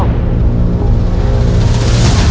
วัดป้อมแก้ว